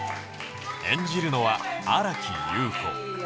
演じるのは新木優子